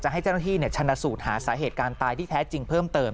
จะให้แก่ที่เนี่ยชะนาสูตรหาสาเหตุการตายที่แท้จริงเพิ่มเติม